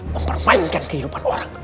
memperbainkan kehidupan orang